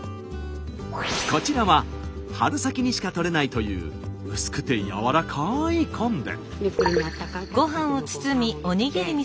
こちらは春先にしか採れないという薄くてやわらかい昆布。